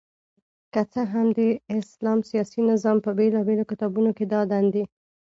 که څه هم د اسلام سياسي نظام په بيلابېلو کتابونو کي دا دندي